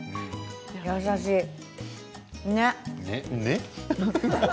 優しいね。